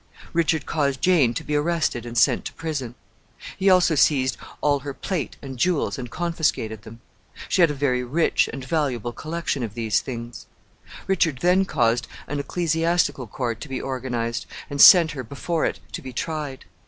Richard caused Jane to be arrested and sent to prison. He also seized all her plate and jewels, and confiscated them. She had a very rich and valuable collection of these things.[O] Richard then caused an ecclesiastical court to be organized, and sent her before it to be tried.